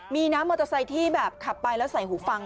มันจะใส่ที่แบบขับไปแล้วใส่หูฟัง